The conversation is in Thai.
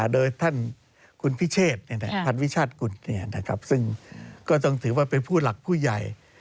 โดยท่านคุณพิเชษพันวิชาติกุลซึ่งก็ต้องถือว่าเป็นผู้หลักผู้ใหญ่